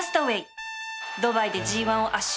ドバイで ＧⅠ を圧勝